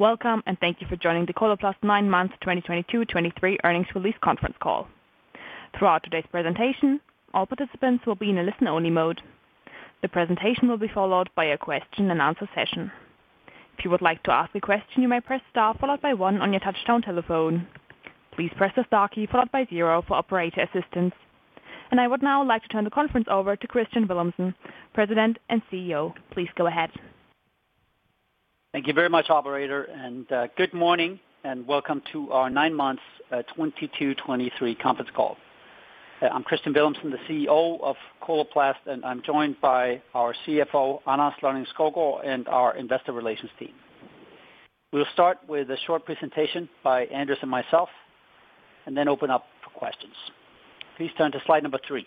Welcome, thank you for joining the Coloplast nine months 2022, 2023 earnings release conference call. Throughout today's presentation, all participants will be in a listen-only mode. The presentation will be followed by a question-and-answer session. If you would like to ask a question, you may press star followed by one on your touchtone telephone. Please press the star key followed by zero for operator assistance. I would now like to turn the conference over to Kristian Villumsen, President and CEO. Please go ahead. Thank you very much, operator. Good morning, and welcome to our nine months, 2022, 2023 conference call. I'm Kristian Villumsen, the CEO of Coloplast, and I'm joined by our CFO, Anders Lonning-Skovgaard, and our investor relations team. We'll start with a short presentation by Anders and myself, then open up for questions. Please turn to slide number three.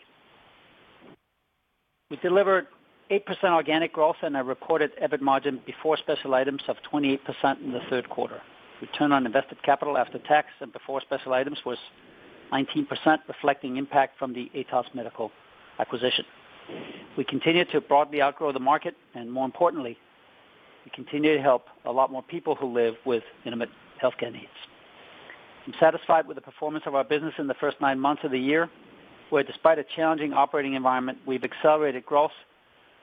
We delivered 8% organic growth and a reported EBIT margin before special items of 28% in the third quarter. Return on invested capital after tax and before special items was 19%, reflecting impact from the Atos Medical acquisition. We continued to broadly outgrow the market, more importantly, we continue to help a lot more people who live with intimate healthcare needs. I'm satisfied with the performance of our business in the first nine months of the year, where despite a challenging operating environment, we've accelerated growth,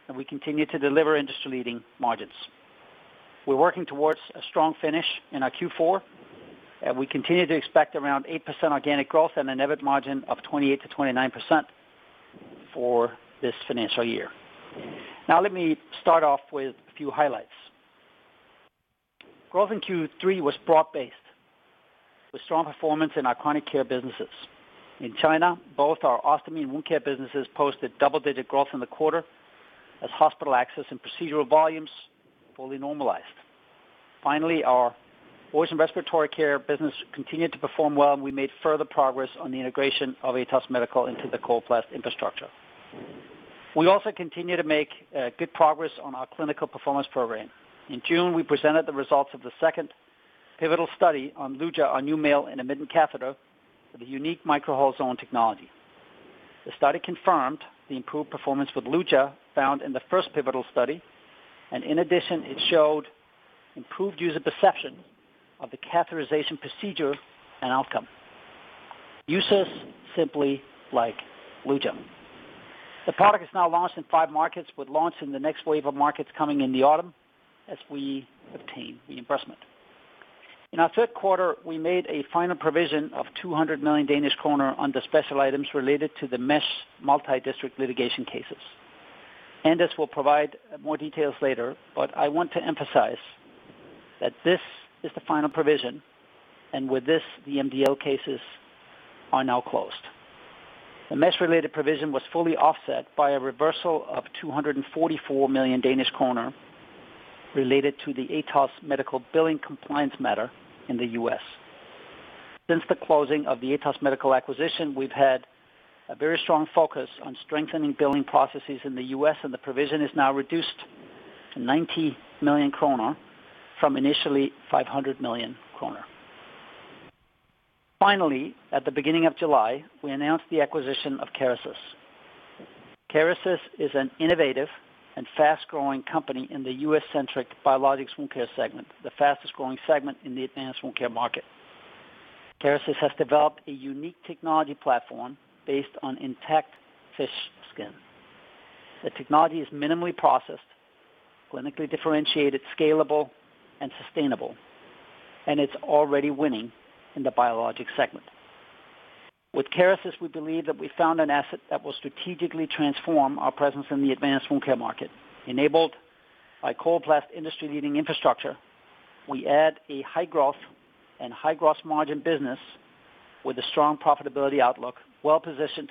and we continue to deliver industry-leading margins. We're working towards a strong finish in our Q4, and we continue to expect around 8% organic growth and an EBIT margin of 28%-29% for this financial year. Now let me start off with a few highlights. Growth in Q3 was broad-based, with strong performance in our chronic care businesses. In China, both our ostomy and wound care businesses posted double-digit growth in the quarter as hospital access and procedural volumes fully normalized. Finally, our voice and respiratory care business continued to perform well, and we made further progress on the integration of Atos Medical into the Coloplast infrastructure. We also continue to make good progress on our clinical performance program. In June, we presented the results of the second pivotal study on Luja, our new male intermittent catheter, with a unique Micro-hole Zone Technology. The study confirmed the improved performance with Luja found in the first pivotal study, and in addition, it showed improved user perception of the catheterization procedure and outcome. Users simply like Luja. The product is now launched in 5 markets, with launch in the next wave of markets coming in the autumn as we obtain the investment. In our third quarter, we made a final provision of 200 million Danish kroner on the special items related to the mesh multidistrict litigation cases. Anders will provide more details later, but I want to emphasize that this is the final provision, and with this, the MDL cases are now closed. The mesh-related provision was fully offset by a reversal of 244 million Danish kroner related to the Atos Medical billing compliance matter in the U.S. Since the closing of the Atos Medical acquisition, we've had a very strong focus on strengthening billing processes in the U.S., and the provision is now reduced to 90 million kroner from initially 500 million kroner. Finally, at the beginning of July, we announced the acquisition of Kerecis. Kerecis is an innovative and fast-growing company in the U.S.-centric biologics wound care segment, the fastest-growing segment in the advanced wound care market. Kerecis has developed a unique technology platform based on intact fish skin. The technology is minimally processed, clinically differentiated, scalable, and sustainable, and it's already winning in the biologic segment. With Kerecis, we believe that we found an asset that will strategically transform our presence in the advanced wound care market. Enabled by Coloplast's industry-leading infrastructure, we add a high growth and high gross margin business with a strong profitability outlook, well-positioned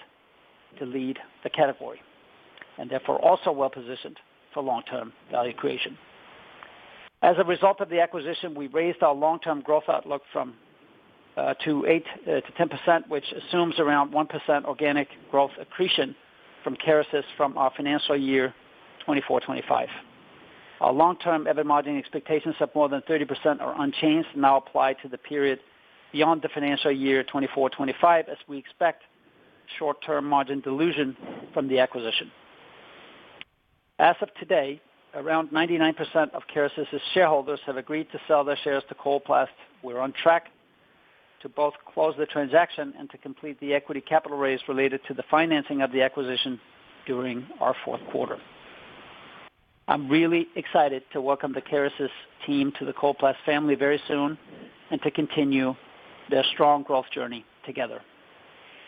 to lead the category, and therefore also well positioned for long-term value creation. As a result of the acquisition, we raised our long-term growth outlook from to 8%-10%, which assumes around 1% organic growth accretion from Kerecis from our financial year 2024-2025. Our long-term EBIT margin expectations of more than 30% are unchanged and now apply to the period beyond the financial year 2024-2025, as we expect short-term margin dilution from the acquisition. As of today, around 99% of Kerecis' shareholders have agreed to sell their shares to Coloplast. We're on track to both close the transaction and to complete the equity capital raise related to the financing of the acquisition during our fourth quarter. I'm really excited to welcome the Kerecis team to the Coloplast family very soon and to continue their strong growth journey together.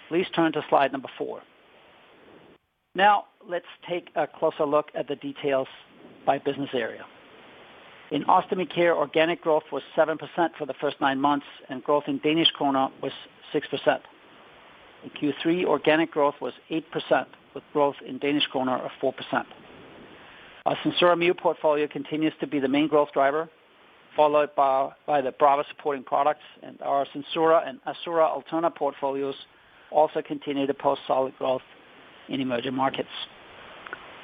Please turn to slide number four. Let's take a closer look at the details by business area. In ostomy care, organic growth was 7% for the first nine months, and growth in Danish kroner was 6%. In Q3, organic growth was 8%, with growth in Danish kroner of 4%. Our SenSura Mio portfolio continues to be the main growth driver, followed by the Brava supporting products, and our SenSura and Assura/Alterna portfolios also continue to post solid growth in emerging markets.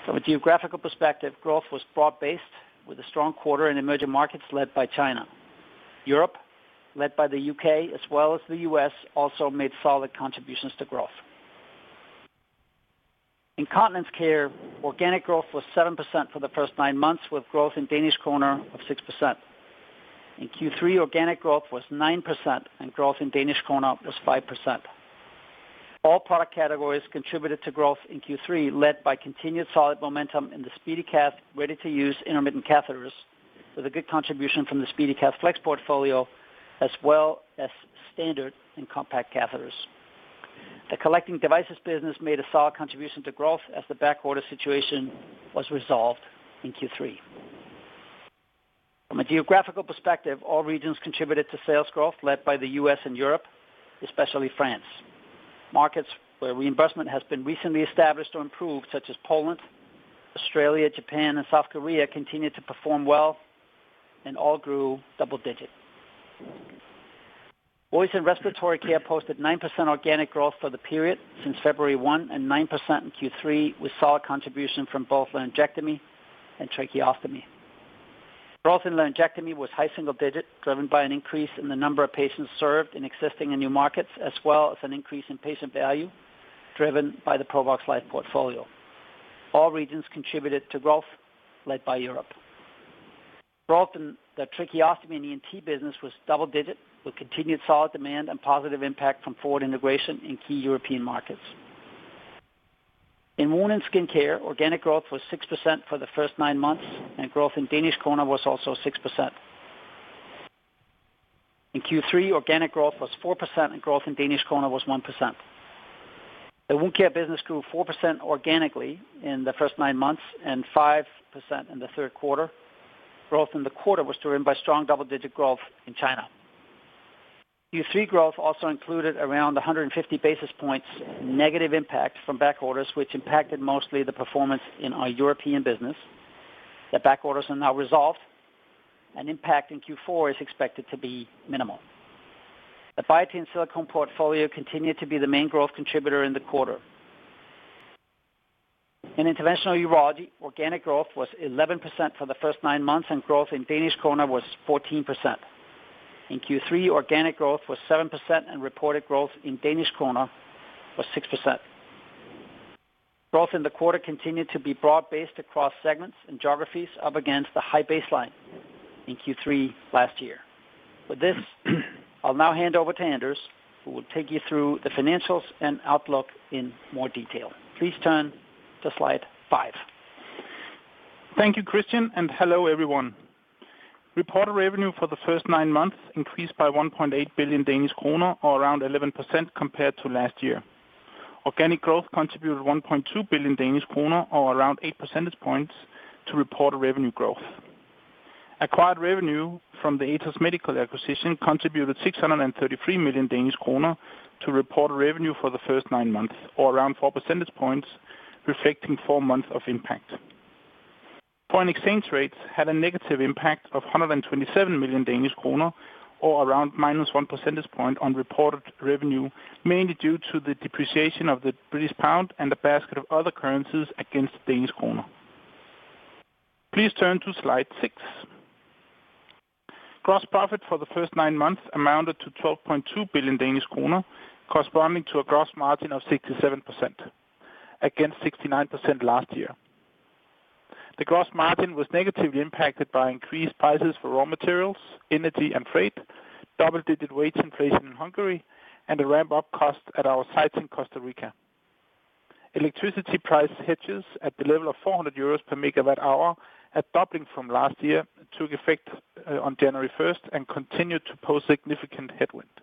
From a geographical perspective, growth was broad-based, with a strong quarter in emerging markets led by China. Europe, led by the U.K., as well as the U.S., also made solid contributions to growth. Incontinence care, organic growth was 7% for the first nine months, with growth in Danish kroner of 6%. In Q3, organic growth was 9%, and growth in Danish kroner was 5%. All product categories contributed to growth in Q3, led by continued solid momentum in the SpeediCath ready-to-use intermittent catheters, with a good contribution from the SpeediCath Flex portfolio, as well as standard and compact catheters. The collecting devices business made a solid contribution to growth as the backorder situation was resolved in Q3. From a geographical perspective, all regions contributed to sales growth, led by the U.S. and Europe, especially France. Markets where reimbursement has been recently established or improved, such as Poland, Australia, Japan, and South Korea, continued to perform well and all grew double digit. Voice and respiratory care posted 9% organic growth for the period since February 1 and 9% in Q3, with solid contribution from both laryngectomy and tracheostomy. Growth in laryngectomy was high single digit, driven by an increase in the number of patients served in existing and new markets, as well as an increase in patient value, driven by the Provox Life portfolio. All regions contributed to growth, led by Europe. Growth in the tracheostomy and ENT business was double digit, with continued solid demand and positive impact from forward integration in key European markets. In wound and skin care, organic growth was 6% for the first nine months, and growth in Danish kroner was also 6%. In Q3, organic growth was 4%, and growth in Danish kroner was 1%. The wound care business grew 4% organically in the first nine months and 5% in the third quarter. Growth in the quarter was driven by strong double-digit growth in China. Q3 growth also included around 150 basis points, negative impact from back orders, which impacted mostly the performance in our European business. The back orders are now resolved and impact in Q4 is expected to be minimal. The Biatain silicone portfolio continued to be the main growth contributor in the quarter. In interventional urology, organic growth was 11% for the first nine months, and growth in Danish kroner was 14%. In Q3, organic growth was 7%, and reported growth in Danish kroner was 6%. Growth in the quarter continued to be broad-based across segments and geographies, up against the high baseline in Q3 last year. With this, I'll now hand over to Anders, who will take you through the financials and outlook in more detail. Please turn to slide five. Thank you, Kristian, and hello, everyone. Reported revenue for the first nine months increased by 1.8 billion Danish kroner, or around 11% compared to last year. Organic growth contributed 1.2 billion Danish kroner, or around 8 percentage points to report a revenue growth. Acquired revenue from the Atos Medical acquisition contributed 633 million Danish kroner to report revenue for the first nine months, or around 4 percentage points, reflecting four months of impact. Foreign exchange rates had a negative impact of 127 million Danish kroner, or around -1 percentage point on reported revenue, mainly due to the depreciation of the British pound and a basket of other currencies against Danish kroner. Please turn to slide six. Gross profit for the first nine months amounted to 12.2 billion Danish kroner, corresponding to a gross margin of 67%, against 69% last year. The gross margin was negatively impacted by increased prices for raw materials, energy and freight, double-digit wage inflation in Hungary, and the ramp-up cost at our sites in Costa Rica. Electricity price hedges at the level of 400 euros per MWh, had doubling from last year, took effect on January 1st and continued to pose significant headwind.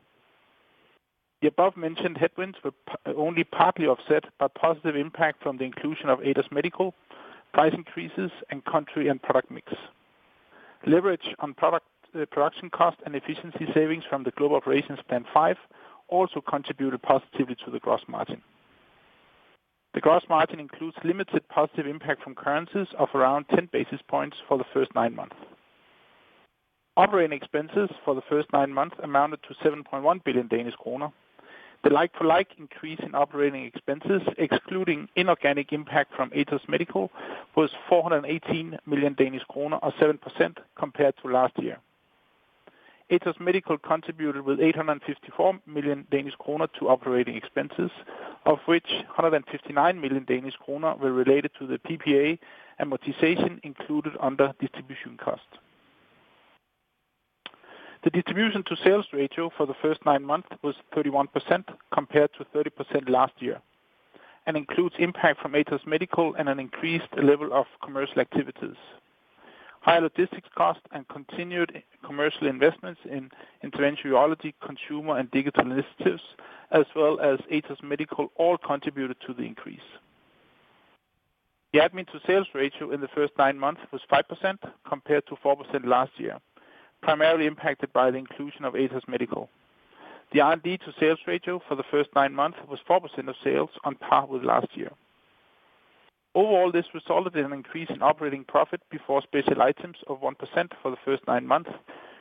The above-mentioned headwinds were only partly offset by positive impact from the inclusion of Atos Medical, price increases and country and product mix. Leverage on production cost and efficiency savings from the Global Operations Plan 5 also contributed positively to the gross margin. The gross margin includes limited positive impact from currencies of around 10 basis points for the first nine months. Operating expenses for the first nine months amounted to 7.1 billion Danish kroner. The like-for-like increase in operating expenses, excluding inorganic impact from Atos Medical, was 418 million Danish kroner, or 7% compared to last year. Atos Medical contributed with 854 million Danish kroner to operating expenses, of which 159 million Danish kroner were related to the PPA amortization included under distribution costs. The distribution to sales ratio for the first nine months was 31%, compared to 30% last year. Includes impact from Atos Medical and an increased level of commercial activities. Higher logistics costs and continued commercial investments in Interventional Urology, consumer and digital initiatives, as well as Atos Medical, all contributed to the increase. The admin to sales ratio in the first nine months was 5%, compared to 4% last year, primarily impacted by the inclusion of Atos Medical. The R&D to sales ratio for the first nine months was 4% of sales on par with last year. Overall, this resulted in an increase in operating profit before special items of 1% for the first nine months,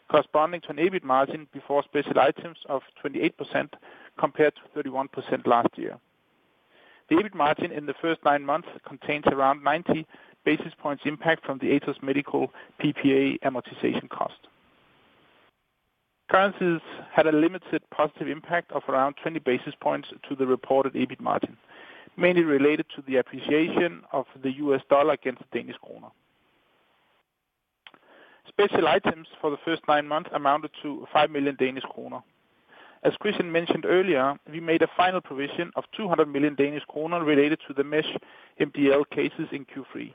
corresponding to an EBIT margin before special items of 28%, compared to 31% last year. The EBIT margin in the first nine months contains around 90 basis points impact from the Atos Medical PPA amortization cost. Currencies had a limited positive impact of around 20 basis points to the reported EBIT margin, mainly related to the appreciation of the US dollar against the Danish kroner. Special items for the first nine months amounted to 5 million Danish kroner. As Christian mentioned earlier, we made a final provision of 200 million Danish kroner related to the mesh MDL cases in Q3,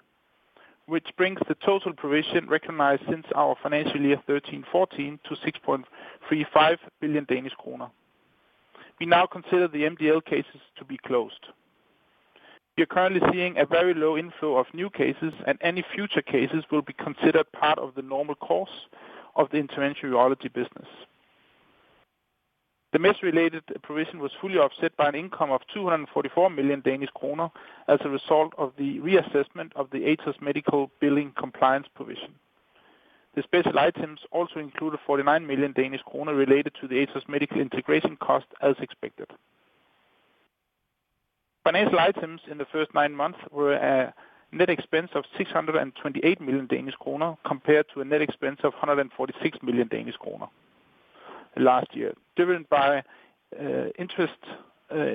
which brings the total provision recognized since our financial year 2013-2014 to 6.35 billion Danish kroner. We now consider the MDL cases to be closed. We are currently seeing a very low inflow of new cases, and any future cases will be considered part of the normal course of the Interventional Urology business. The mesh related provision was fully offset by an income of 244 million Danish kroner as a result of the reassessment of the Atos Medical billing compliance provision. The special items also included 49 million Danish kroner related to the Atos Medical integration cost, as expected. Financial items in the first nine months were a net expense of 628 million Danish kroner, compared to a net expense of 146 million Danish kroner last year, driven by interest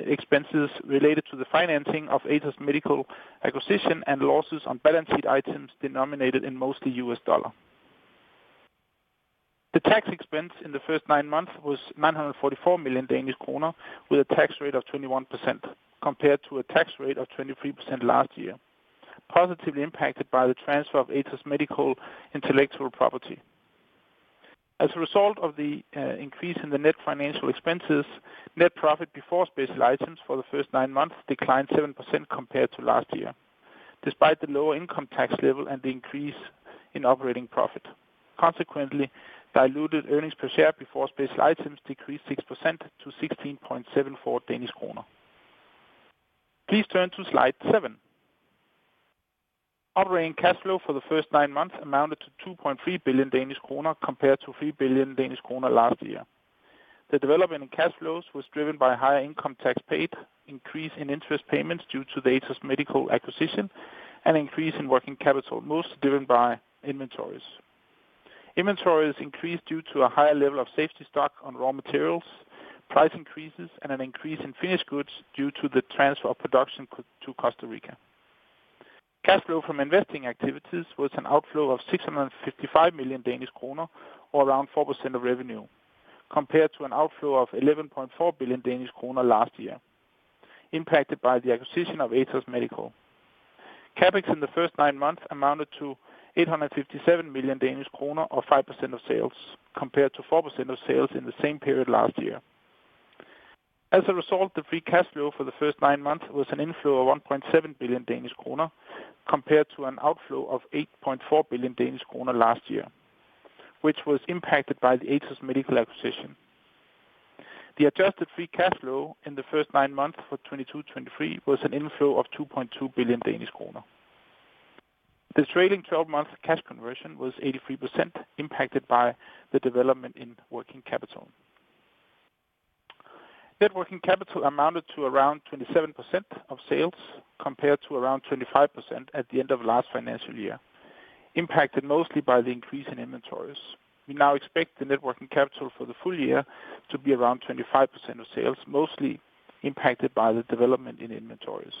expenses related to the financing of Atos Medical acquisition and losses on balance sheet items denominated in mostly US dollar. The tax expense in the first nine months was 944 million Danish kroner, with a tax rate of 21%, compared to a tax rate of 23% last year, positively impacted by the transfer of Atos Medical intellectual property. As a result of the increase in the net financial expenses, net profit before special items for the first nine months declined 7% compared to last year, despite the lower income tax level and the increase in operating profit. Consequently, diluted earnings per share before special items decreased 6% to 16.74 Danish kroner. Please turn to slide seven. Operating cash flow for the first nine months amounted to 2.3 billion Danish kroner, compared to 3 billion Danish kroner last year. The development in cash flows was driven by higher income tax paid, increase in interest payments due to the Atos Medical acquisition, and increase in working capital, most driven by inventories. Inventories increased due to a higher level of safety stock on raw materials, price increases, and an increase in finished goods due to the transfer of production to Costa Rica. Cash flow from investing activities was an outflow of 655 million Danish kroner, or around 4% of revenue, compared to an outflow of 11.4 billion Danish kroner last year, impacted by the acquisition of Atos Medical. CapEx in the first nine months amounted to 857 million Danish kroner, or 5% of sales, compared to 4% of sales in the same period last year. As a result, the free cash flow for the first nine months was an inflow of 1.7 billion Danish kroner, compared to an outflow of 8.4 billion Danish kroner last year, which was impacted by the Atos Medical acquisition. The adjusted free cash flow in the first nine months for 2022, 2023 was an inflow of 2.2 billion Danish kroner. The trailing 12-month cash conversion was 83%, impacted by the development in working capital. Net working capital amounted to around 27% of sales, compared to around 25% at the end of last financial year, impacted mostly by the increase in inventories. We now expect the net working capital for the full year to be around 25% of sales, mostly impacted by the development in inventories.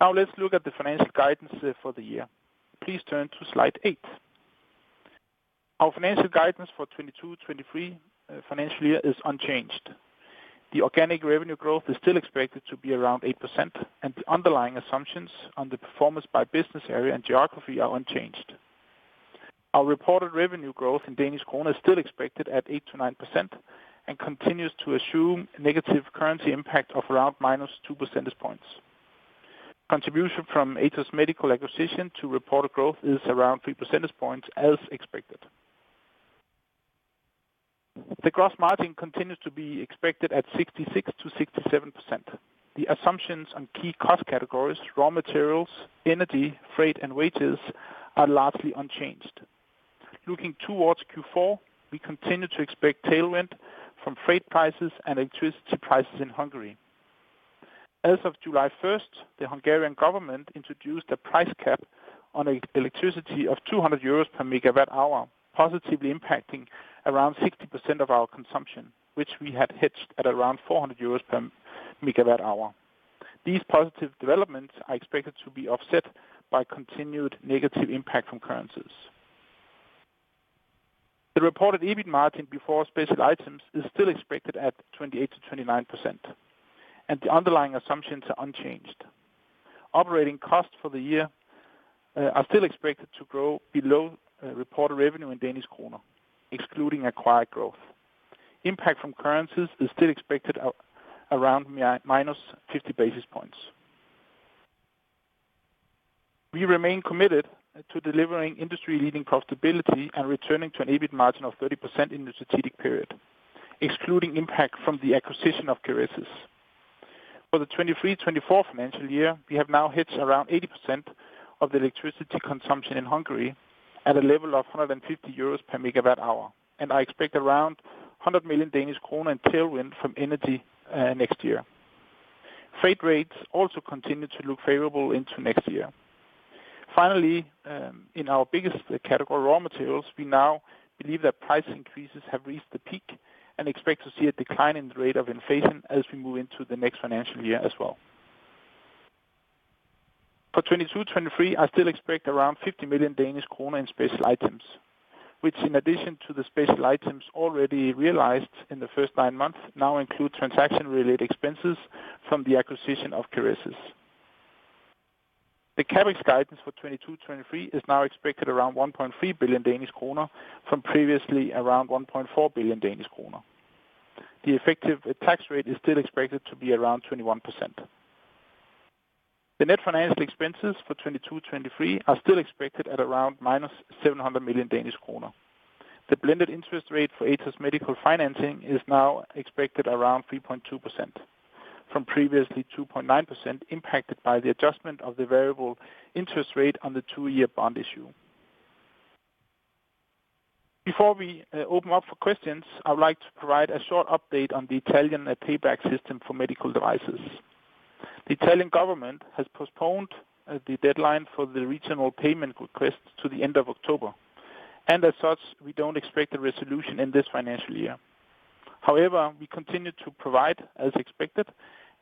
Let's look at the financial guidance for the year. Please turn to slide eight. Our financial guidance for 2022, 2023 financial year is unchanged. The organic revenue growth is still expected to be around 8%. The underlying assumptions on the performance by business area and geography are unchanged. Our reported revenue growth in Danish kroner is still expected at 8%-9% and continues to assume a negative currency impact of around -2 percentage points. Contribution from Atos Medical acquisition to reported growth is around 3 percentage points as expected. The gross margin continues to be expected at 66%-67%. The assumptions on key cost categories, raw materials, energy, freight, and wages are largely unchanged. Looking towards Q4, we continue to expect tailwind from freight prices and electricity prices in Hungary. As of July 1st, the Hungarian government introduced a price cap on electricity of 200 euros per MWh, positively impacting around 60% of our consumption, which we had hedged at around 400 euros per MWh. These positive developments are expected to be offset by continued negative impact from currencies. The reported EBIT margin before special items is still expected at 28%-29%, and the underlying assumptions are unchanged. Operating costs for the year are still expected to grow below reported revenue in Danish kroner, excluding acquired growth. Impact from currencies is still expected around -50 basis points. We remain committed to delivering industry-leading profitability and returning to an EBIT margin of 30% in the strategic period, excluding impact from the acquisition of Kerecis. For the 2023, 2024 financial year, we have now hedged around 80% of the electricity consumption in Hungary at a level of 150 euros per MWh. I expect around 100 million Danish kroner in tailwind from energy next year. Freight rates also continue to look favorable into next year. Finally, in our biggest category, raw materials, we now believe that price increases have reached the peak and expect to see a decline in the rate of inflation as we move into the next financial year as well. For 2022-2023, I still expect around 50 million Danish kroner in special items, which in addition to the special items already realized in the first nine months, now include transaction-related expenses from the acquisition of Kerecis. The CapEx guidance for 2022-2023 is now expected around 1.3 billion Danish kroner, from previously around 1.4 billion Danish kroner. The effective tax rate is still expected to be around 21%. The net financial expenses for 2022-2023 are still expected at around -700 million Danish kroner. The blended interest rate for Atos Medical financing is now expected around 3.2%, from previously 2.9%, impacted by the adjustment of the variable interest rate on the two-year bond issue. Before we open up for questions, I would like to provide a short update on the Italian payback system for medical devices. The Italian government has postponed the deadline for the regional payment request to the end of October, and as such, we don't expect a resolution in this financial year. However, we continue to provide as expected,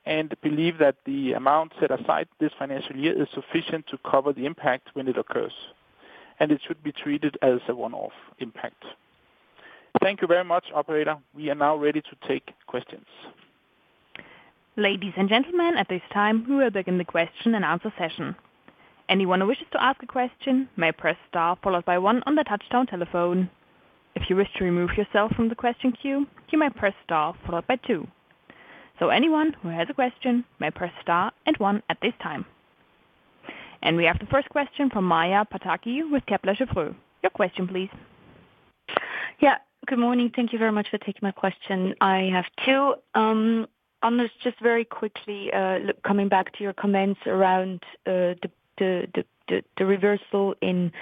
and believe that the amount set aside this financial year is sufficient to cover the impact when it occurs, and it should be treated as a one-off impact. Thank you very much, operator. We are now ready to take questions. Ladies and gentlemen, at this time, we will begin the question and answer session. Anyone who wishes to ask a question may press star, followed by one on the touchtone telephone. If you wish to remove yourself from the question queue, you may press star followed by two. Anyone who has a question may press star and one at this time. We have the first question from Maja Pataki with Kepler Cheuvreux. Your question, please. Yeah, good morning. Thank you very much for taking my question. I have two. Anders, just very quickly, look, coming back to your comments around the reversal in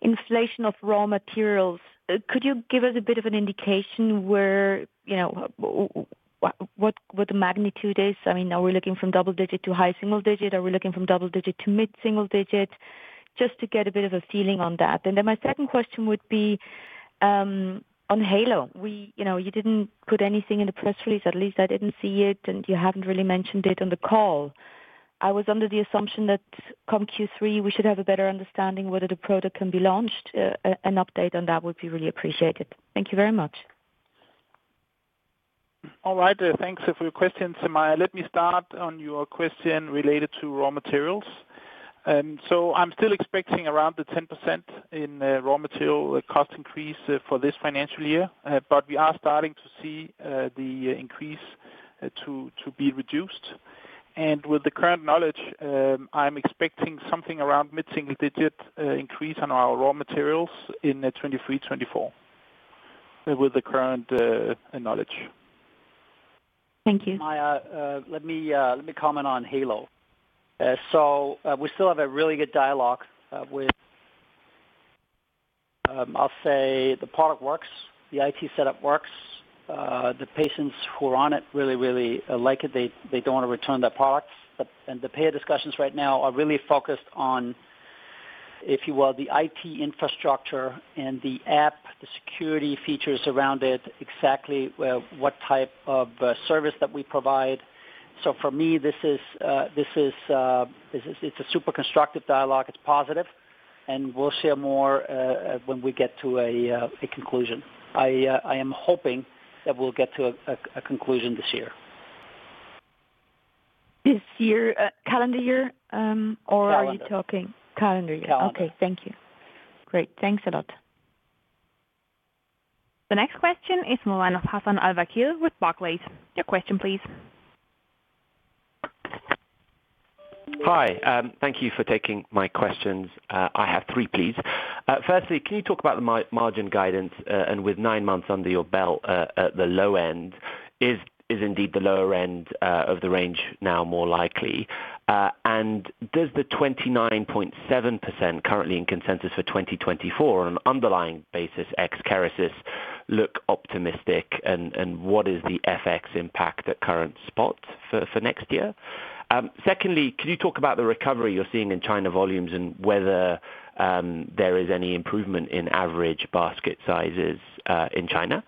inflation of raw materials, could you give us a bit of an indication where, you know, what the magnitude is? I mean, are we looking from double-digit to high single-digit? Are we looking from double-digit to mid single-digit? Just to get a bit of a feeling on that. My second question would be on Heylo. You know, you didn't put anything in the press release, at least I didn't see it, and you haven't really mentioned it on the call. I was under the assumption that come Q3, we should have a better understanding whether the product can be launched. An update on that would be really appreciated. Thank you very much. All right, thanks for your questions, Maya. Let me start on your question related to raw materials. I'm still expecting around the 10% in raw material cost increase for this financial year. We are starting to see the increase to be reduced. With the current knowledge, I'm expecting something around mid-single digit increase on our raw materials in 2023, 2024, with the current knowledge. Thank you. Maya, let me, let me comment on Heylo. We still have a really good dialogue, with... I'll say the product works, the IT setup works. The patients who are on it really, really like it. They, they don't want to return the products. The payer discussions right now are really focused on, if you will, the IT infrastructure and the app, the security features around it, exactly, what type of, service that we provide. For me, this is, this is, it's a super constructive dialogue. It's positive, and we'll share more, when we get to a, a conclusion. I, I am hoping that we'll get to a, a, a conclusion this year. This year, calendar year. Calendar. Are you talking... calendar year? Calendar. Okay. Thank you. Great. Thanks a lot. The next question is Hassan Al-Wakeel with Barclays. Your question, please. Hi, thank you for taking my questions. I have three, please. Firstly, can you talk about the margin guidance, and with nine months under your belt, is indeed the lower end of the range now more likely? Does the 29.7% currently in consensus for 2024 on an underlying basis, ex Kerecis, look optimistic, and what is the FX impact at current spot for next year? Secondly, can you talk about the recovery you're seeing in China volumes and whether there is any improvement in average basket sizes in China?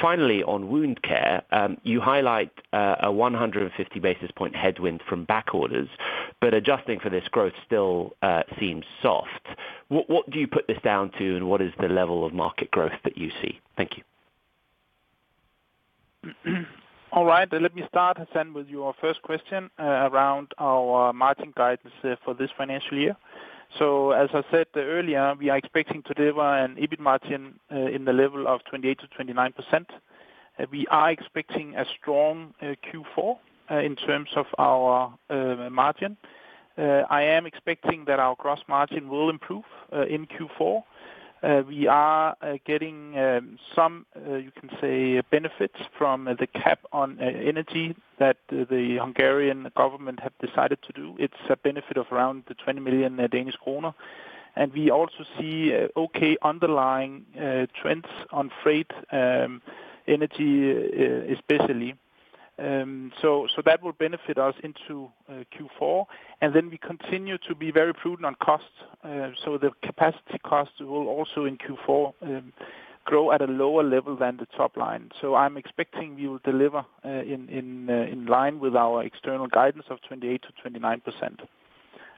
Finally, on wound care, you highlight a 150 basis point headwind from back orders, but adjusting for this growth still seems soft. What, what do you put this down to, and what is the level of market growth that you see? Thank you. All right, let me start, Hassan, with your first question, around our margin guidance for this financial year. As I said earlier, we are expecting to deliver an EBIT margin in the level of 28%-29%. We are expecting a strong Q4 in terms of our margin. I am expecting that our gross margin will improve in Q4. We are getting some, you can say, benefits from the cap on energy that the Hungarian government have decided to do. It's a benefit of around 20 million Danish kroner. We also see okay underlying trends on freight, energy, especially. That will benefit us into Q4, and then we continue to be very prudent on costs. The capacity costs will also in Q4 grow at a lower level than the top line. I'm expecting we will deliver in line with our external guidance of 28%-29%.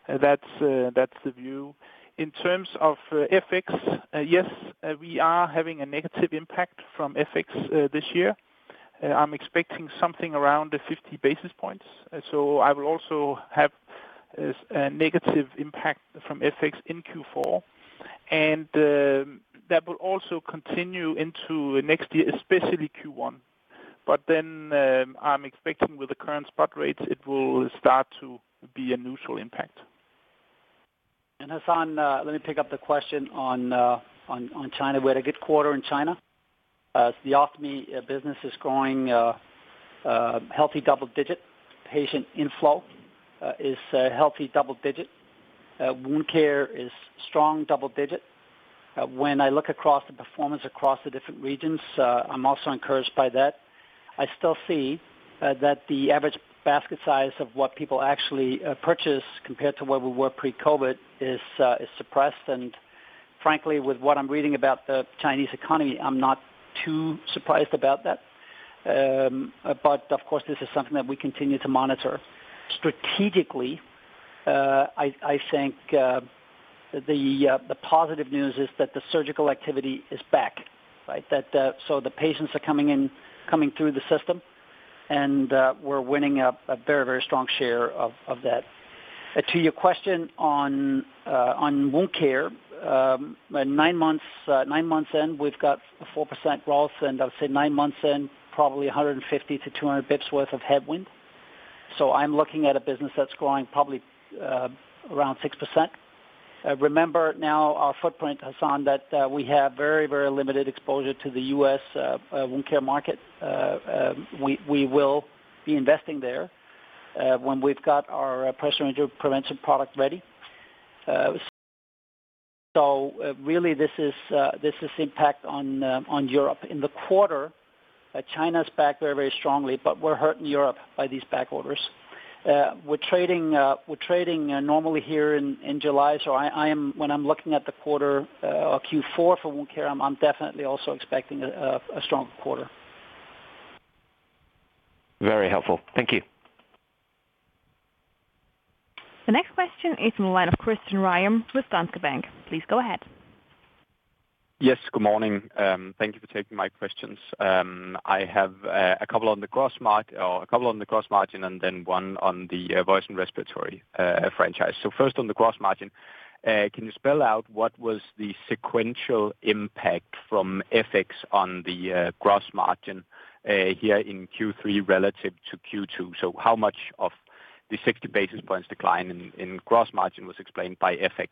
That's, that's the view. In terms of FX, yes, we are having a negative impact from FX this year. I'm expecting something around the 50 basis points, so I will also have a negative impact from FX in Q4. That will also continue into next year, especially Q1. Then, I'm expecting with the current spot rates, it will start to be a neutral impact. Hassan, let me pick up the question on China. We had a good quarter in China. The ostomy business is growing a healthy double digit. Patient inflow is a healthy double digit. Wound care is strong double digit. When I look across the performance across the different regions, I'm also encouraged by that. I still see that the average basket size of what people actually purchase, compared to where we were pre-COVID, is suppressed. Frankly, with what I'm reading about the Chinese economy, I'm not too surprised about that. Of course, this is something that we continue to monitor. Strategically, I, I think the positive news is that the surgical activity is back, right? That, the patients are coming in, coming through the system, and we're winning a very, very strong share of, of that. To your question on wound care, nine months, nine months in, we've got a 4% growth, and I would say nine months in, probably 150-200 BIPS worth of headwind. I'm looking at a business that's growing probably around 6%. Remember now our footprint, Hassan, that we have very, very limited exposure to the U.S. wound care market. We will be investing there when we've got our pressure injury prevention product ready. Really, this is, this is impact on Europe. In the quarter, China's back very, very strongly, we're hurt in Europe by these back orders. We're trading, we're trading, normally here in, in July. When I'm looking at the quarter, or Q4 for wound care, I'm, I'm definitely also expecting a, a strong quarter. Very helpful. Thank you. The next question is from the line of Christian Ryom with Danske Bank. Please go ahead. Yes, good morning. Thank you for taking my questions. I have a couple on the gross margin or a couple on the gross margin, then one on the voice and respiratory franchise. First on the gross margin, can you spell out what was the sequential impact from FX on the gross margin here in Q3 relative to Q2? How much of the 60 basis points decline in gross margin was explained by FX?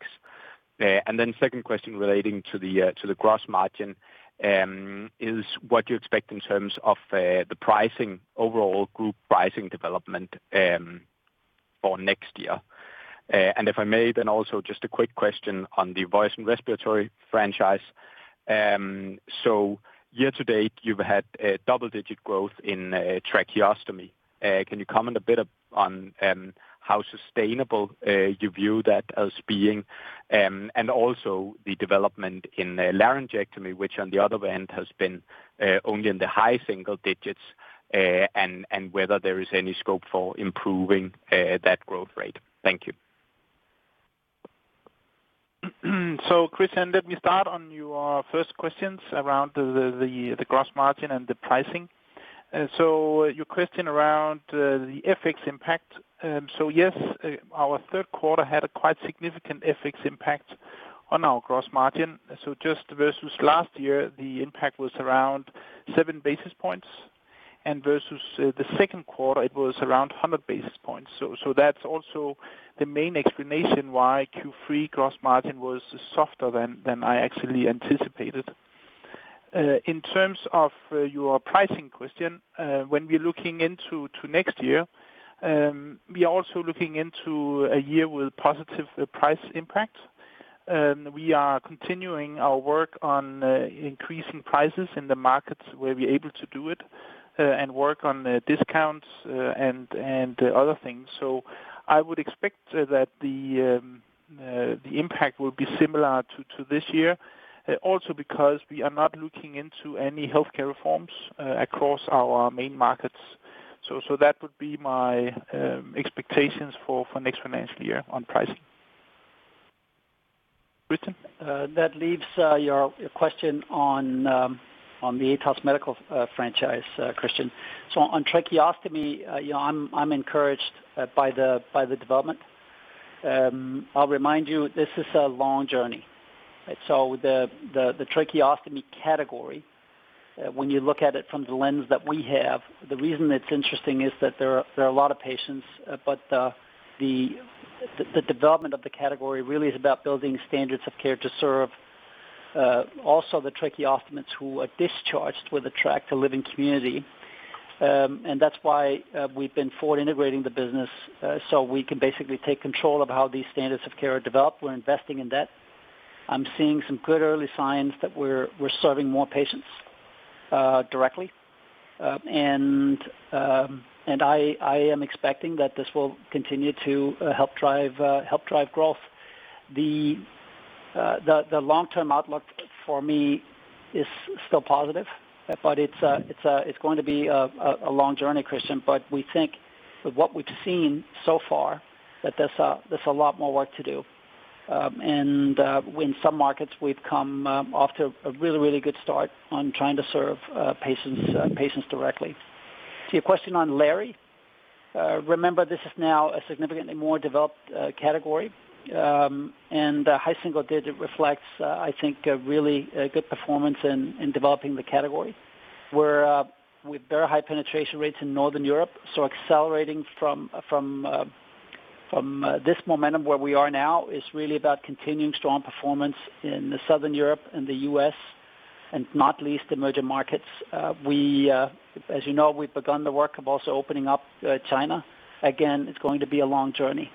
Second question relating to the gross margin is what you expect in terms of the pricing, overall group pricing development, for next year. If I may, then also just a quick question on the voice and respiratory franchise. Year to date, you've had a double-digit growth in tracheostomy. Can you comment a bit on how sustainable you view that as being? Also the development in the laryngectomy, which on the other end has been only in the high single digits, and whether there is any scope for improving that growth rate. Thank you. Christian, let me start on your first questions around the gross margin and the pricing. Your question around the FX impact. Yes, our third quarter had a quite significant FX impact on our gross margin. Just versus last year, the impact was around 7 basis points, and versus the second quarter, it was around 100 basis points. That's also the main explanation why Q3 gross margin was softer than I actually anticipated. In terms of your pricing question, when we're looking into to next year, we are also looking into a year with positive price impact. We are continuing our work on increasing prices in the markets where we're able to do it, and work on the discounts, and other things. I would expect that the impact will be similar to, to this year, also because we are not looking into any healthcare reforms across our main markets. That would be my expectations for next financial year on pricing. Christian, that leaves your question on the Atos Medical franchise, Christian. On tracheostomy, you know, I'm encouraged by the development. I'll remind you, this is a long journey. The tracheostomy category, when you look at it from the lens that we have, the reason it's interesting is that there are a lot of patients, but the development of the category really is about building standards of care to serve also the tracheostomies who are discharged with a trach to live in community. That's why we've been forward integrating the business, so we can basically take control of how these standards of care are developed. We're investing in that. I'm seeing some good early signs that we're, we're serving more patients directly. I, I am expecting that this will continue to help drive help drive growth. The, the, the long-term outlook for me is still positive, but it's, it's, it's going to be a, a long journey, Christian, but we think with what we've seen so far, that there's a, there's a lot more work to do. In some markets we've come off to a really, really good start on trying to serve patients patients directly. To your question on Lary, remember, this is now a significantly more developed category. High single digit reflects I think, a really a good performance in, in developing the category, where with very high penetration rates in Northern Europe. Accelerating from this momentum where we are now, is really about continuing strong performance in Southern Europe and the U.S., and not least emerging markets. We, as you know, we've begun the work of also opening up China. It's going to be a long journey.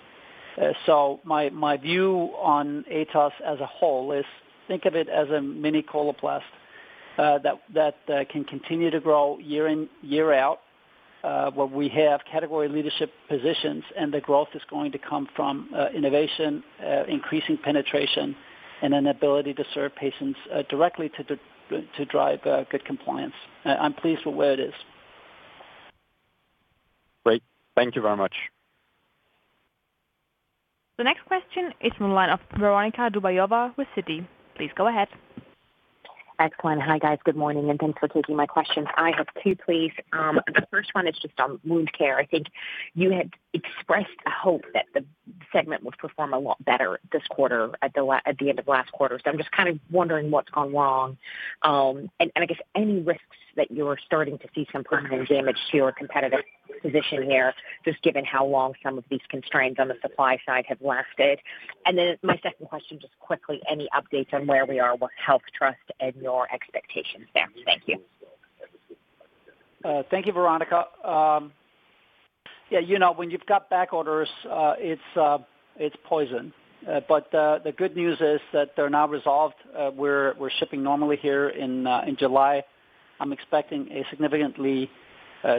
My, my view on ATOS as a whole is think of it as a mini Coloplast, that, that, can continue to grow year in, year out, where we have category leadership positions, and the growth is going to come from innovation, increasing penetration, and an ability to serve patients directly to drive good compliance. I, I'm pleased with where it is. Great. Thank you very much. The next question is from the line of Veronika Dubajova with Citi. Please go ahead. Excellent. Hi, guys. Good morning, and thanks for taking my questions. I have 2, please. The first one is just on wound care. I think you had expressed a hope that the segment would perform a lot better this quarter at the end of last quarter. I'm just kind of wondering what's gone wrong, and I guess any risks that you're starting to see some permanent damage to your competitive position here, just given how long some of these constraints on the supply side have lasted. My second question, just quickly, any updates on where we are with HealthTrust and your expectations there? Thank you. Thank you, Veronica. Yeah, you know, when you've got back orders, it's, it's poison. The good news is that they're now resolved. We're, we're shipping normally here in July. I'm expecting a significantly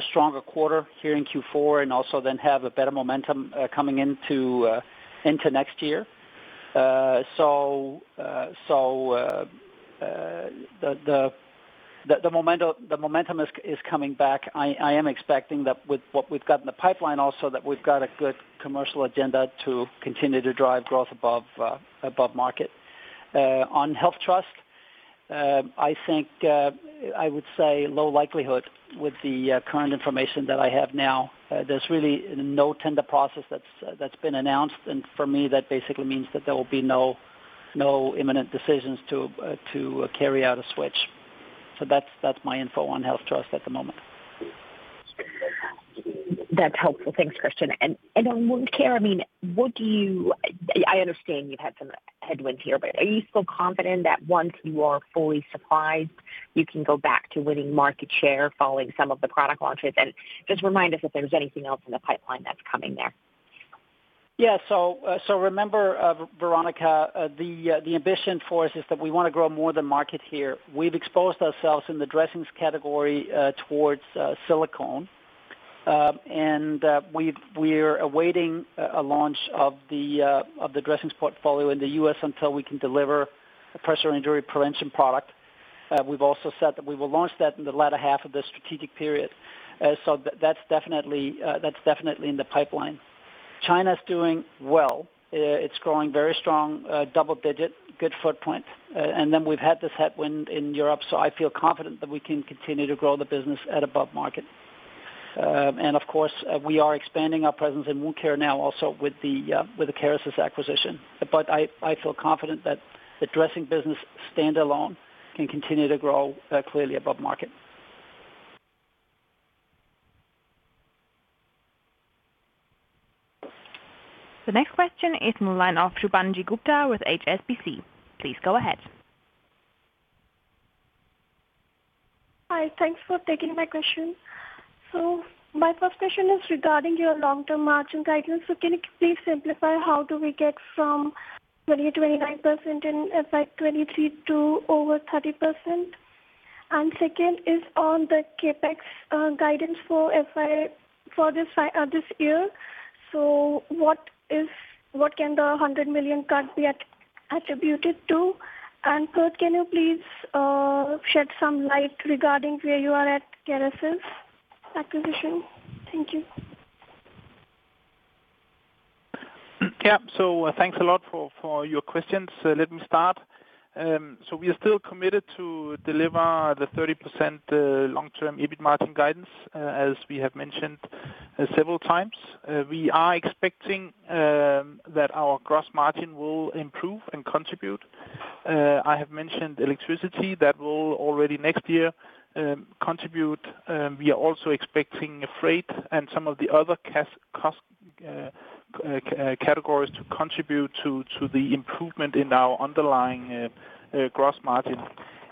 stronger quarter here in Q4, and also then have a better momentum coming into next year. The momentum, the momentum is, is coming back. I, I am expecting that with what we've got in the pipeline also, that we've got a good commercial agenda to continue to drive growth above, above market. On HealthTrust, I think, I would say low likelihood with the current information that I have now. There's really no tender process that's that's been announced, for me, that basically means that there will be no, no imminent decisions to to carry out a switch. That's, that's my info on HealthTrust at the moment. That's helpful. Thanks, Christian. On wound care, I mean, would you... I understand you've had some headwinds here, but are you still confident that once you are fully supplied, you can go back to winning market share following some of the product launches? Just remind us if there's anything else in the pipeline that's coming there. Yeah. Remember, Veronica, the ambition for us is that we want to grow more than market share. We've exposed ourselves in the dressings category towards silicone. We're awaiting a launch of the dressings portfolio in the U.S. until we can deliver a pressure injury prevention product. We've also said that we will launch that in the latter half of the strategic period. That's definitely, that's definitely in the pipeline. China's doing well. It's growing very strong, double digit, good footprint. We've had this headwind in Europe, so I feel confident that we can continue to grow the business at above market. Of course, we are expanding our presence in wound care now also with the Kerecis acquisition. I, I feel confident that the dressing business standalone can continue to grow, clearly above market. The next question is from the line of Shubhangi Gupta with HSBC. Please go ahead. Hi, thanks for taking my question. My first question is regarding your long-term margin guidance. Can you please simplify how do we get from 20%-29% in FY 2023 to over 30%? Second is on the CapEx guidance for FY for this year. What can the 100 million cap be attributed to? Third, can you please shed some light regarding where you are at Kerecis acquisition? Thank you. Yeah. Thanks a lot for, for your questions. Let me start. We are still committed to deliver the 30% long-term EBIT margin guidance, as we have mentioned several times. We are expecting that our gross margin will improve and contribute. I have mentioned electricity, that will already next year contribute. We are also expecting freight and some of the other cost categories to contribute to, to the improvement in our underlying gross margin.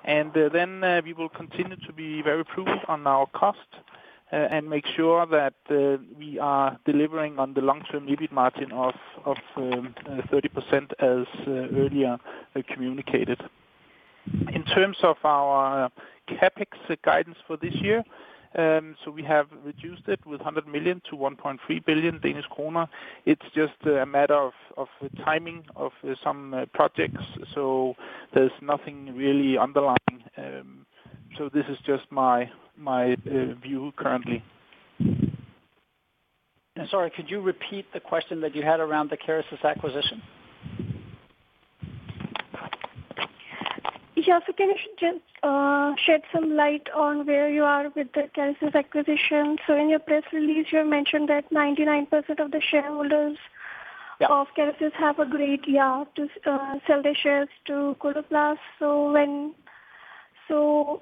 We will continue to be very prudent on our cost and make sure that we are delivering on the long-term EBIT margin of, of 30% as earlier communicated. In terms of our CapEx guidance for this year, we have reduced it with 100 million to 1.3 billion Danish kroner. It's just a matter of, of the timing of some projects, there's nothing really underlying. This is just my, my, view currently. Sorry, could you repeat the question that you had around the Kerecis acquisition? Yeah. Can you just shed some light on where you are with the Kerecis acquisition? In your press release, you mentioned that 99% of the shareholders- Yeah. of Kerecis have agreed, yeah, to sell their shares to Coloplast. When,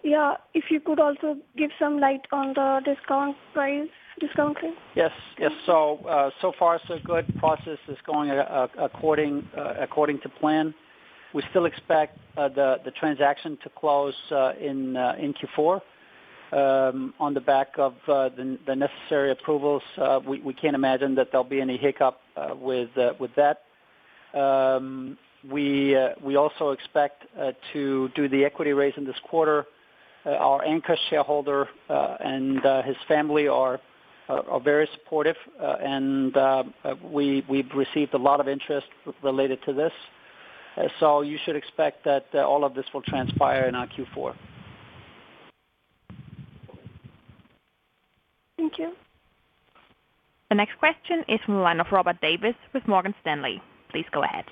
yeah, if you could also give some light on the discount price, discount here? Yes, yes. So far, so good. Process is going according to plan. We still expect the transaction to close in Q4. On the back of the necessary approvals, we can't imagine that there'll be any hiccup with that. We also expect to do the equity raise in this quarter. Our anchor shareholder and his family are very supportive, and we've received a lot of interest related to this. You should expect that all of this will transpire in our Q4. Thank you. The next question is from the line of Robert Davies with Morgan Stanley. Please go ahead.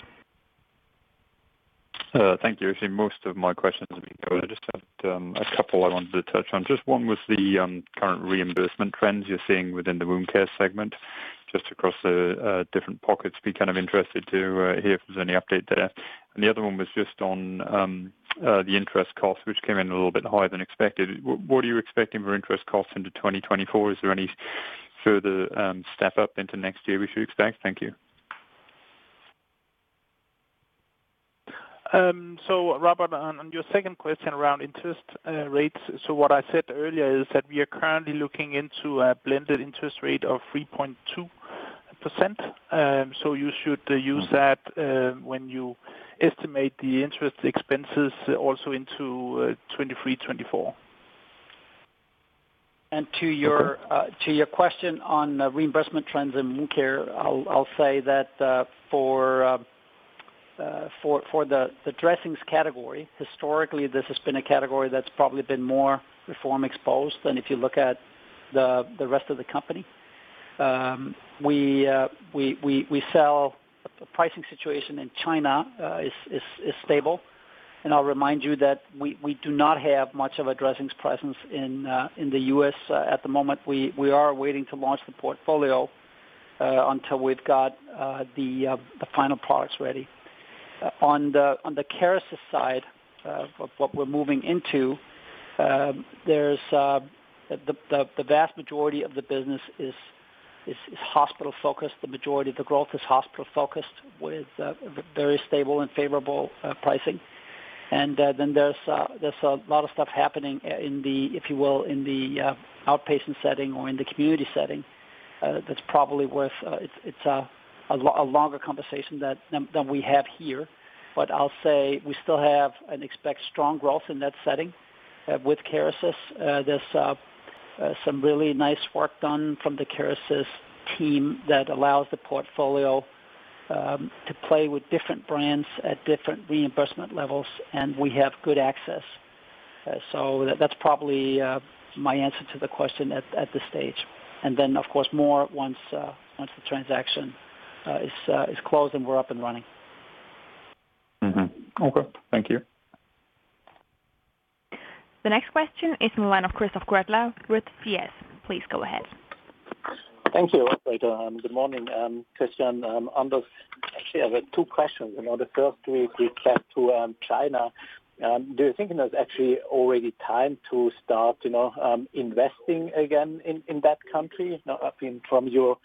Thank you. Actually, most of my questions have been covered. I just had a couple I wanted to touch on. Just one was the current reimbursement trends you're seeing within the Wound Care segment, just across the different pockets. Be kind of interested to hear if there's any update there. The other one was just on the interest cost, which came in a little bit higher than expected. What are you expecting for interest costs into 2024? Is there any further step up into next year we should expect? Thank you. Robert, on, on your second question around interest rates, what I said earlier is that we are currently looking into a blended interest rate of 3.2%. You should use that when you estimate the interest expenses also into 2023, 2024. To your question on reimbursement trends in Wound Care, I'll say that for the dressings category, historically, this has been a category that's probably been more reform exposed than if you look at the rest of the company. We sell... Pricing situation in China is stable. I'll remind you that we do not have much of a dressings presence in the U.S. at the moment. We are waiting to launch the portfolio until we've got the final products ready. On the Kerecis side of what we're moving into, there's the vast majority of the business is hospital-focused. The majority of the growth is hospital-focused, with very stable and favorable pricing. Then there's a lot of stuff happening in the, if you will, in the outpatient setting or in the community setting, that's probably worth a longer conversation than we have here. I'll say we still have and expect strong growth in that setting with Kerecis. There's some really nice work done from the Kerecis team that allows the portfolio to play with different brands at different reimbursement levels, and we have good access. So that's probably my answer to the question at this stage. Then, of course, more once once the transaction is closed, and we're up and running. Mm-hmm. Okay, thank you. The next question is from the line of Christoph Gretler with CS. Please go ahead. Thank you, operator, and good morning, Christian. Actually, I have two questions. You know, the first with respect to China, do you think it is actually already time to start, you know, investing again in that country? You know, I think from your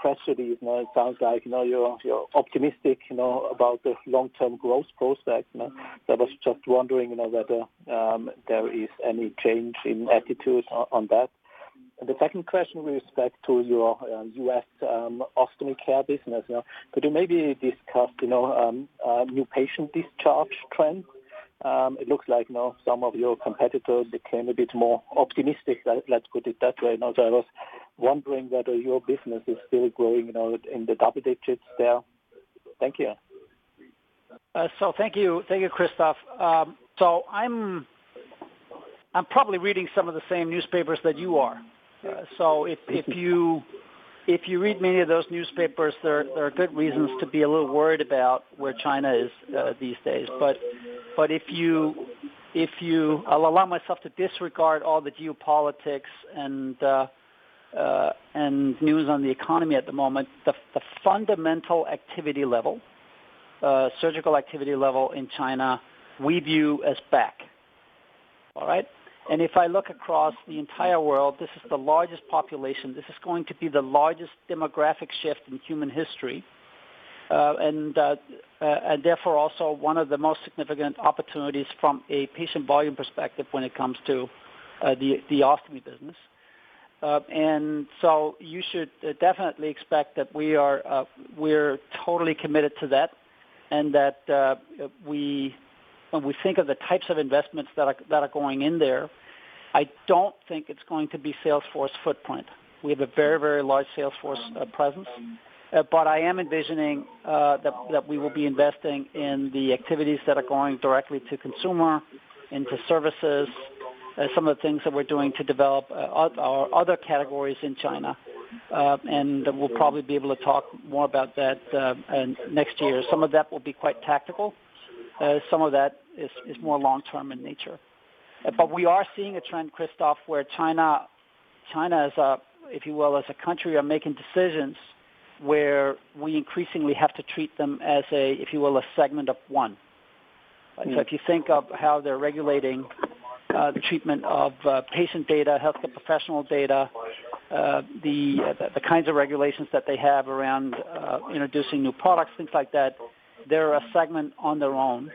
press release, you know, it sounds like, you know, you're, you're optimistic, you know, about the long-term growth prospects, you know? I was just wondering, you know, whether there is any change in attitude on that. The second question with respect to your US Ostomy Care business. Now, could you maybe discuss, you know, new patient discharge trends? It looks like, you know, some of your competitors became a bit more optimistic, let's put it that way. Now, I was wondering whether your business is still growing, you know, in the double digits there? Thank you. Thank you. Thank you, Christoph. I'm, I'm probably reading some of the same newspapers that you are. If, if you, if you read many of those newspapers, there are, there are good reasons to be a little worried about where China is these days. If you, if you. I'll allow myself to disregard all the geopolitics and and news on the economy at the moment. The, the fundamental activity level, surgical activity level in China, we view as back. All right? If I look across the entire world, this is the largest population. This is going to be the largest demographic shift in human history, and and therefore, also one of the most significant opportunities from a patient volume perspective when it comes to the, the ostomy business. So you should definitely expect that we are, we're totally committed to that, and that, when we think of the types of investments that are, that are going in there, I don't think it's going to be sales force footprint. We have a very, very large sales force, presence, but I am envisioning that, that we will be investing in the activities that are going directly to consumer, into services, some of the things that we're doing to develop, our other categories in China. We'll probably be able to talk more about that, next year. Some of that will be quite tactical, some of that is, is more long-term in nature. We are seeing a trend, Christoph, where China, China as a, if you will, as a country, are making decisions where we increasingly have to treat them as a, if you will, a segment of one. If you think of how they're regulating the treatment of patient data, healthcare professional data, the, the kinds of regulations that they have around introducing new products, things like that, they're a segment on their own.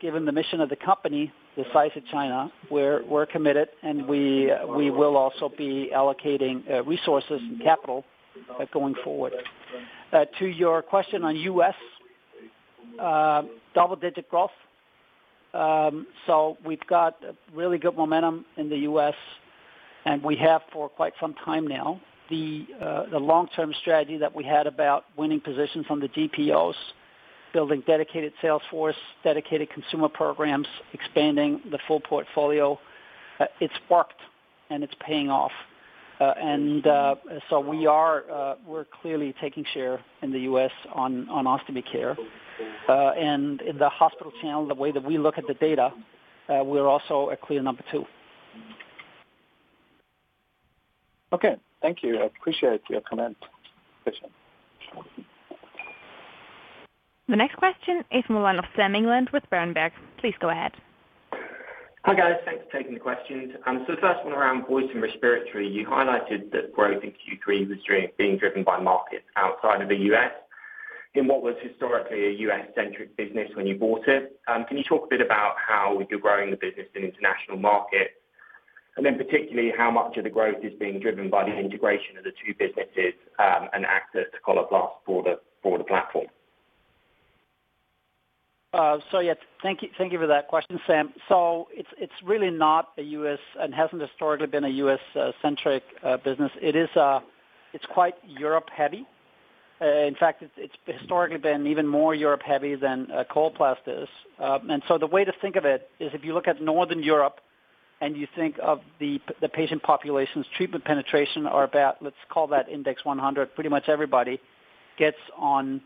Given the mission of the company, the size of China, we're, we're committed, and we, we will also be allocating resources and capital going forward. To your question on US, double-digit growth. We've got really good momentum in the U.S., and we have for quite some time now. The long-term strategy that we had about winning positions from the GPOs, building dedicated sales force, dedicated consumer programs, expanding the full portfolio, it's worked, and it's paying off. We are, we're clearly taking share in the U.S. on, on ostomy care. In the hospital channel, the way that we look at the data, we're also a clear number two. Okay. Thank you. I appreciate your comment, Christian. The next question is from the line of Samuel England with Berenberg. Please go ahead. Hi, guys. Thanks for taking the questions. The first one around voice and respiratory, you highlighted that growth in Q3 was being driven by markets outside of the U.S., in what was historically a U.S.-centric business when you bought it. Can you talk a bit about how you're growing the business in international markets? Particularly, how much of the growth is being driven by the integration of the two businesses, and access to Coloplast broader, broader platform? Yeah. Thank you, thank you for that question, Sam. It's, it's really not a US and hasn't historically been a US-centric business. It is, it's quite Europe heavy. In fact, it's, it's historically been even more Europe heavy than Coloplast is. And the way to think of it is if you look at Northern Europe and you think of the, the patient populations, treatment penetration are about, let's call that index 100, pretty much everybody gets on,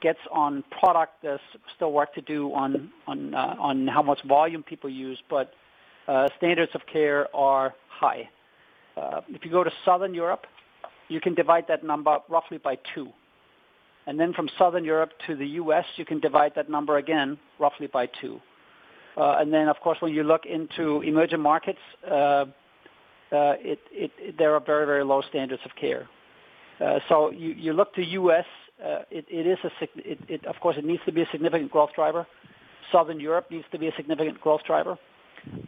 gets on product. There's still work to do on, on how much volume people use, but standards of care are high. If you go to Southern Europe, you can divide that number roughly by two. Then from Southern Europe to the U.S., you can divide that number again, roughly by two. Then, of course, when you look into emerging markets, there are very, very low standards of care. You, you look to US, it of course, it needs to be a significant growth driver. Southern Europe needs to be a significant growth driver,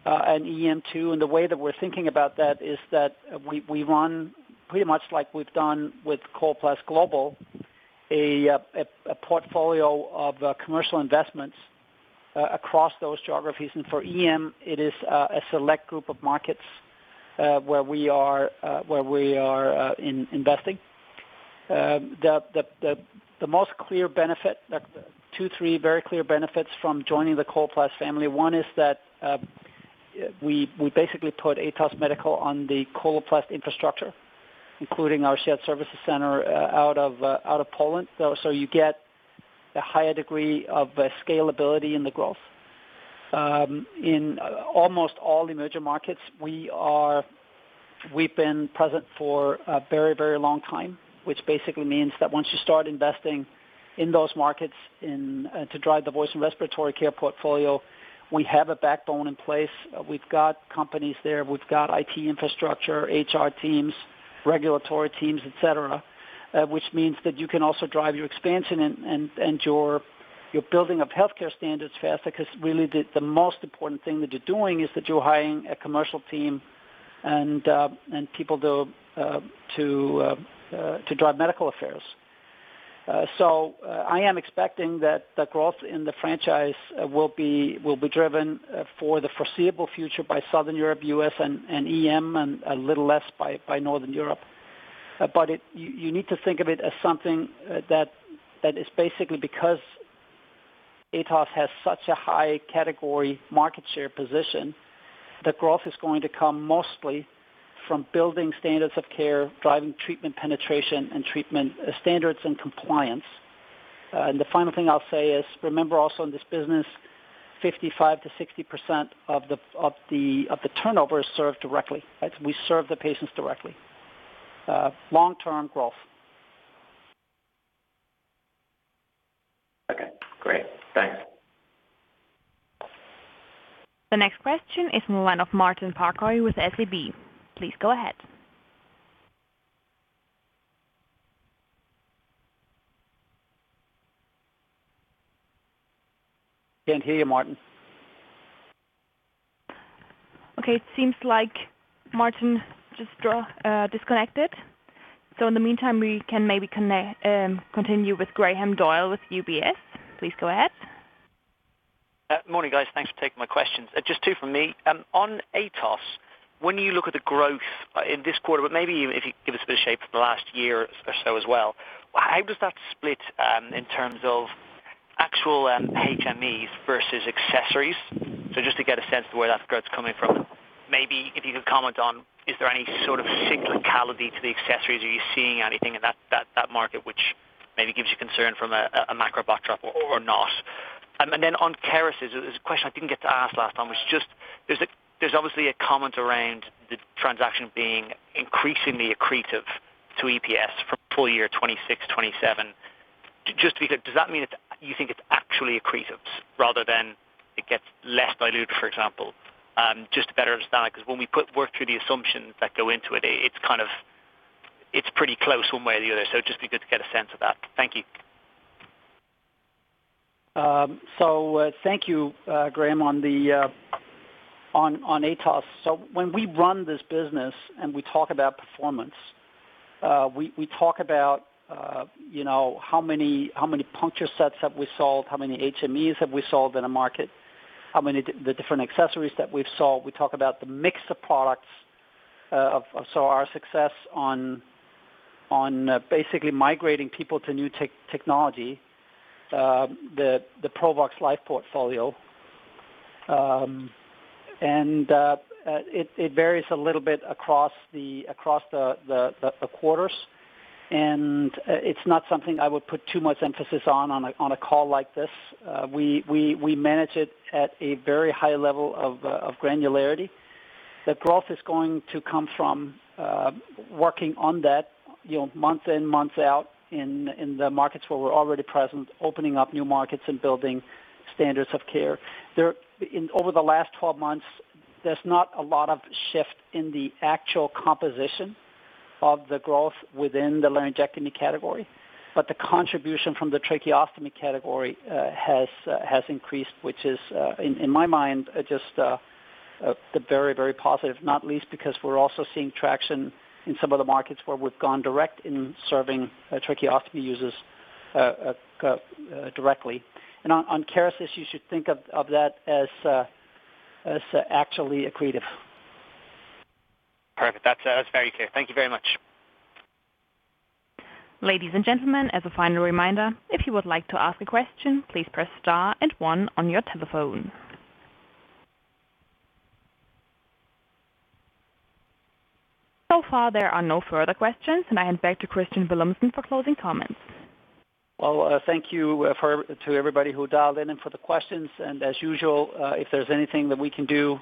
and EM, too. The way that we're thinking about that is that we, we run pretty much like we've done with Coloplast Global, a portfolio of commercial investments across those geographies. For EM, it is a select group of markets where we are investing. The most clear benefit, the two, three very clear benefits from joining the Coloplast family, one is that, we, we basically put Atos Medical on the Coloplast infrastructure, including our shared services center, out of, out of Poland. So you get a higher degree of scalability in the growth. In almost all emerging markets, we've been present for a very, very long time, which basically means that once you start investing in those markets and to drive the voice and respiratory care portfolio, we have a backbone in place. We've got companies there, we've got IT infrastructure, HR teams, regulatory teams, et cetera. Which means that you can also drive your expansion and your building of healthcare standards faster, because really the most important thing that you're doing is that you're hiring a commercial team and people to drive medical affairs. I am expecting that the growth in the franchise will be driven for the foreseeable future by Southern Europe, U.S. and E.M., and a little less by Northern Europe. You need to think of it as something that is because Atos has such a high category market share position, the growth is going to come mostly from building standards of care, driving treatment penetration, and treatment standards and compliance. The final thing I'll say is, remember also in this business, 55%-60% of the, of the, of the turnover is served directly. We serve the patients directly. Long-term growth. Okay, great. Thanks. The next question is from the line of Martin Parkhøi with SEB. Please go ahead. Can't hear you, Martin. Okay, it seems like Martin just disconnected. In the meantime, we can maybe continue with Graham Doyle with UBS. Please go ahead. Morning, guys. Thanks for taking my questions. Just two from me. On Atos, when you look at the growth in this quarter, but maybe even if you give us a bit of shape for the last year or so as well, how does that split in terms of actual HMEs versus accessories? Just to get a sense of where that growth is coming from. Maybe if you could comment on, is there any sort of cyclicality to the accessories? Are you seeing anything in that, that, that market, which maybe gives you concern from a macro backdrop or not? Then on Kerecis, there's a question I didn't get to ask last time, which is just... There's a, there's obviously a comment around the transaction being increasingly accretive to EPS for full year 2026, 2027. Just because does that mean it's, you think it's actually accretive rather than it gets less dilutive, for example? Just to better understand, 'cause when we put work through the assumptions that go into it, it's kind of, it's pretty close one way or the other. Just be good to get a sense of that. Thank you. Thank you, Graham, on the on Atos. When we run this business and we talk about performance, we, we talk about, you know, how many, how many puncture sets have we sold, how many HMEs have we sold in a market, how many the different accessories that we've sold. We talk about the mix of products, so our success on, on, basically migrating people to new technology, the, the Provox Life portfolio. It, it varies a little bit across the, across the, the, the quarters, and it's not something I would put too much emphasis on, on a, on a call like this. We, we, we manage it at a very high level of granularity. The growth is going to come from, working on that, you know, month in, month out, in, in the markets where we're already present, opening up new markets and building standards of care. In over the last 12 months, there's not a lot of shift in the actual composition of the growth within the laryngectomy category, but the contribution from the tracheostomy category has increased, which is in my mind, just very, very positive, not least because we're also seeing traction in some of the markets where we've gone direct in serving tracheostomy users directly. On Kerecis, you should think of that as actually accretive. Perfect. That's, that's very clear. Thank you very much. Ladies and gentlemen, as a final reminder, if you would like to ask a question, please press star and one on your telephone. Far, there are no further questions, and I hand back to Kristian Villumsen for closing comments. Well, thank you to everybody who dialed in and for the questions. As usual, if there's anything that we can do,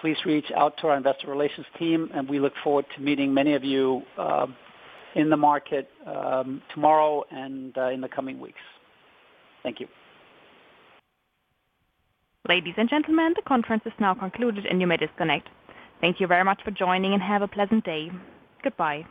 please reach out to our investor relations team, and we look forward to meeting many of you in the market tomorrow and in the coming weeks. Thank you. Ladies and gentlemen, the conference is now concluded, and you may disconnect. Thank you very much for joining, and have a pleasant day. Goodbye.